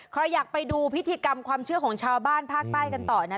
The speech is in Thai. ใครอยากไปดูพิธีกรรมความเชื่อของชาวบ้านภาคใต้กันต่อนะ